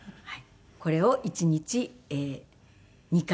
これを１日２回。